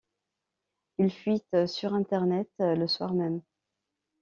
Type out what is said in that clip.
Il fuite sur internet le soir-même.